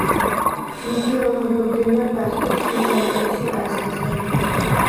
چۈنكى ئۇنىڭ بىردىنبىر بەختى، خۇشاللىقى شۇ ئەزاسىدا ئىدى.